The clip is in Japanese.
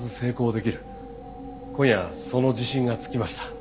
今夜その自信がつきました。